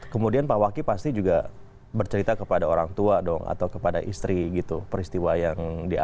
kemudian pak waki pasti juga bercerita kepada orang tua dong atau kepada istri gitu peristiwa yang dia